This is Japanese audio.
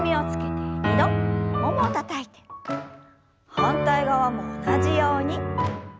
反対側も同じように。